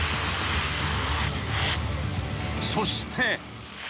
［そして］